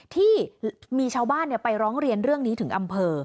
ที่มีชาวบ้านไปร้องเรียนเรื่องนี้ถึงอำเภอ